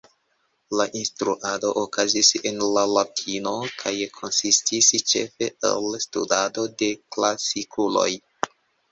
La instruado okazis en la latino kaj konsistis ĉefe el studado de klasikuloj.